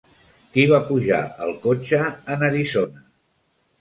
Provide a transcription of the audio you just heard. Qui va pujar al cotxe en Arizona?